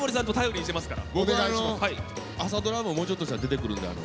僕あの朝ドラももうちょっとしたら出てくるんで。